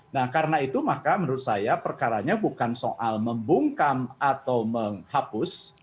nah karena itu maka menurut saya perkaranya bukan soal membungkam atau menghapus